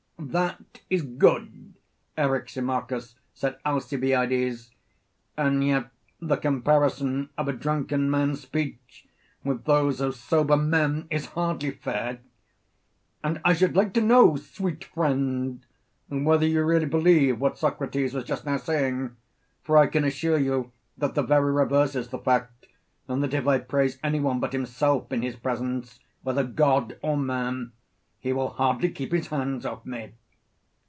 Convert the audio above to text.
That is good, Eryximachus, said Alcibiades; and yet the comparison of a drunken man's speech with those of sober men is hardly fair; and I should like to know, sweet friend, whether you really believe what Socrates was just now saying; for I can assure you that the very reverse is the fact, and that if I praise any one but himself in his presence, whether God or man, he will hardly keep his hands off me.